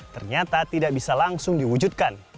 ternyata tidak bisa langsung diwujudkan